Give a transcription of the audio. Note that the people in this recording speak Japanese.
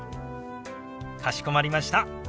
かしこまりました。